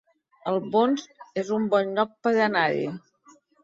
Albons es un bon lloc per anar-hi